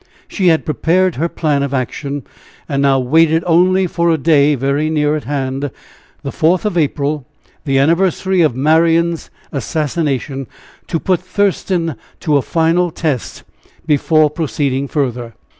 She had prepared her plan of action, and now waited only for a day very near at hand, the fourth of April, the anniversary of Marian's assassination, to put Thurston to a final test before proceeding further.